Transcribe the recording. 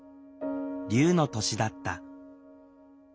竜の年だった。